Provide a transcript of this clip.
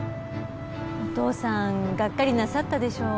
お父さんがっかりなさったでしょう。